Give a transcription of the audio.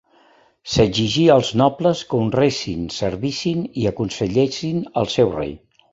S'exigia als nobles que honressin, servissin i aconsellessin al seu rei.